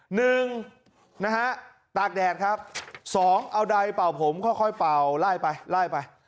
หนึ่งนะฮะตากแดดครับสองเอาใดเป่าผมค่อยค่อยเป่าไล่ไปไล่ไป